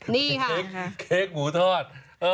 นี่ค่ะเค้กหมูทอด